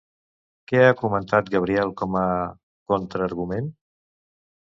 Què ha comentat Gabriel com a contraargument?